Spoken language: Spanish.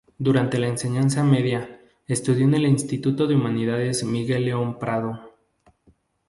Durante la enseñanza media, estudió en el Instituto de Humanidades Miguel León Prado.